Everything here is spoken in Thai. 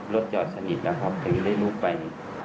รถจอดสนิทแล้วครับถึงได้ลูกไป